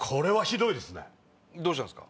どうしたんすか？